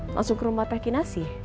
langsung ke rumah teh kinasi